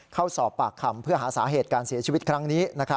เข้าสอบปากคำเพื่อหาสาเหตุการเสียชีวิตครั้งนี้